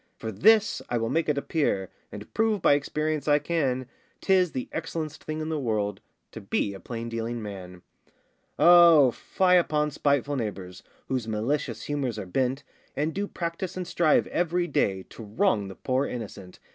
For this I will make it appear, And prove by experience I can, 'Tis the excellen'st thing in the world To be a plain dealing man. O fie upon spiteful neighbours, Whose malicious humours are bent, And do practise and strive every day To wrong the poor innocent.